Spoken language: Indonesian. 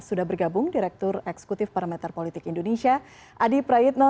sudah bergabung direktur eksekutif parameter politik indonesia adi prayitno